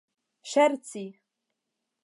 ŝerci